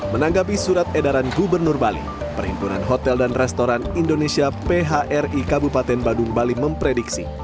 menanggapi surat edaran gubernur bali perhimpunan hotel dan restoran indonesia phri kabupaten badung bali memprediksi